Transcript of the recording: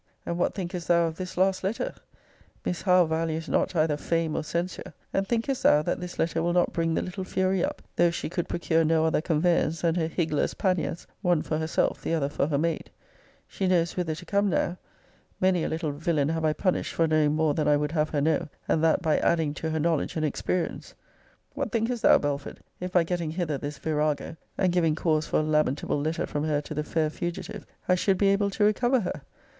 And what thinkest thou of this last letter? Miss Howe values not either fame or censure; and thinkest thou, that this letter will not bring the little fury up, though she could procure no other conveyance than her higgler's panniers, one for herself, the other for her maid? She knows whither to come now. Many a little villain have I punished for knowing more than I would have her know, and that by adding to her knowledge and experience. What thinkest thou, Belford, if, by getting hither this virago, and giving cause for a lamentable letter from her to the fair fugitive, I should be able to recover her?